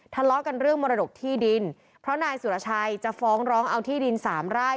ทะเลาะกันเรื่องมรดกที่ดินเพราะนายสุรชัยจะฟ้องร้องเอาที่ดินสามไร่